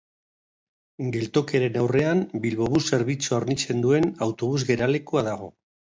Geltokiaren aurrean Bilbobus zerbitzua hornitzen duen autobus geralekua dago.